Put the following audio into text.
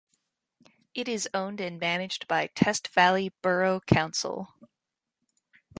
It is owned and managed by Test Valley Borough Council.